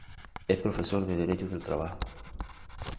Es profesor de Derecho del Trabajo.